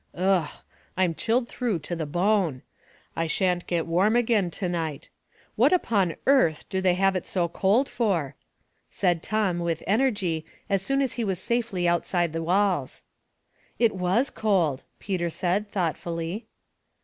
Ugh! I'm chilled through to the bone. I shan't get warm again to night. What upon earth do they have it so cold for ?" said Tom, with energy, as soon as he was safely out side the walls. " It was cold,'' Peter said, thoughtfully.